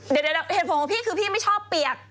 เดี๋ยวเหตุผลของพี่คือพี่ไม่ชอบเปียก